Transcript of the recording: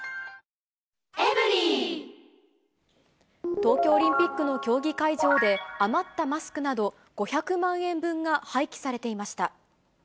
東京オリンピックの競技会場で、余ったマスクなど５００万円分が廃棄されていました。